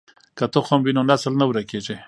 که تخم وي نو نسل نه ورکېږي.